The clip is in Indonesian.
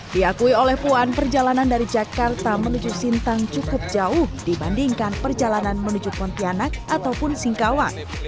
diakui oleh puan perjalanan dari jakarta menuju sintang cukup jauh dibandingkan perjalanan menuju pontianak ataupun singkawang